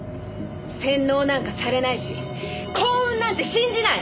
洗脳なんかされないし幸運なんて信じない！